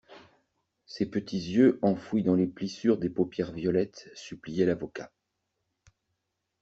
Ses petits yeux enfouis dans les plissures des paupières violettes suppliaient l'avocat.